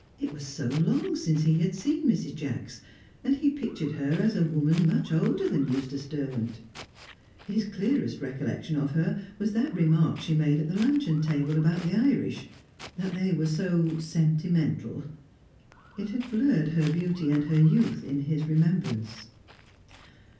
It was so long since he had seen Mrs. Jacks, and he pictured her as a woman much older than Eustace Derwent. His clearest recollection of her was that remark she made at the luncheon table about the Irish, that they were so "sentimental"; it had blurred her beauty and her youth in his remembrance.